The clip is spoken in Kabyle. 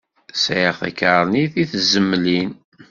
Sεiɣ takarnit i tezmilin.